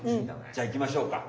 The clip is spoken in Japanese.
じゃあいきましょうか。